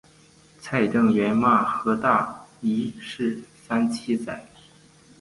蔡正元骂何大一是三七仔。